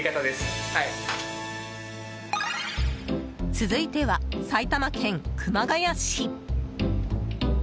続いては、埼玉県熊谷市。